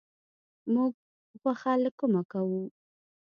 موږ غوښه له کومه کوو؟